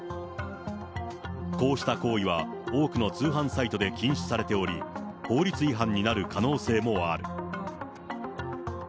こうした行為は多くの通販サイトで禁止されており、法律違反になる可能性もある。